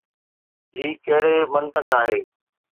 هي ڪهڙي منطق آهي؟